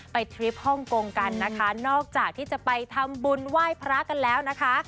ทริปฮ่องกงกันนะคะนอกจากที่จะไปทำบุญไหว้พระกันแล้วนะคะ